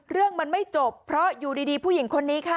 เรื่องมันไม่จบเพราะอยู่ดีผู้หญิงคนนี้ค่ะ